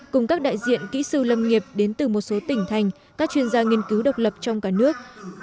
cùng các đại diện kỹ sư lâm nghiệp đến từ một số tỉnh thành các chuyên gia nghiên cứu độc lập trong cả nước